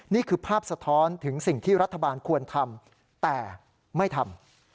นี่คือภาพสะท้อนถึงสิ่งที่รัฐบาลควรทำแต่ไม่ทำ